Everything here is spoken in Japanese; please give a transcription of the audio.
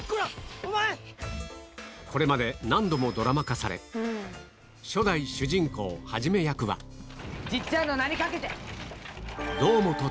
これまで何度もドラマ化され初代主人公一役はジッチャンの名にかけて！